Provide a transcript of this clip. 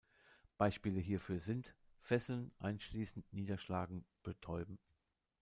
Beispiele hierfür sind: Fesseln, Einschließen, Niederschlagen, Betäuben.